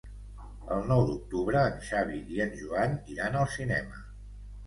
El nou d'octubre en Xavi i en Joan iran al cinema.